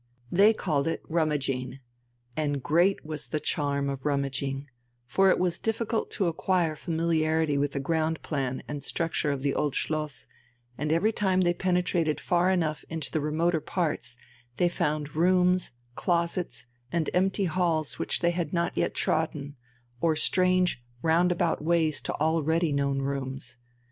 They called it "rummaging," and great was the charm of "rummaging"; for it was difficult to acquire familiarity with the ground plan and structure of the old Schloss, and every time they penetrated far enough into the remoter parts they found rooms, closets, and empty halls which they had not yet trodden, or strange round about ways to already known rooms.